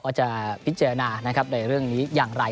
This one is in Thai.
ว่าจะพิจารณาในเรื่องนี้อย่างไร